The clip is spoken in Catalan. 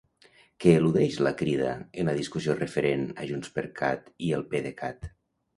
Què eludeix la Crida en la discussió referent a JxCat i el PDECat?